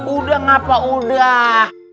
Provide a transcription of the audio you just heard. udah ngapa udah